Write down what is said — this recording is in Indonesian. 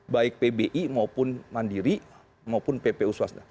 baik pbi maupun mandiri maupun ppu swasta